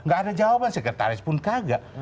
gak ada jawaban sekretaris pun kagak